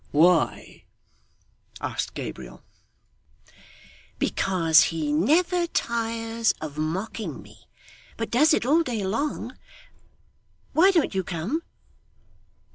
'Why?' asked Gabriel. 'Because he never tires of mocking me, but does it all day long. Why don't you come?